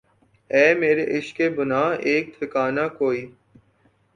اے مرے عشق بنا ایک ٹھکانہ کوئی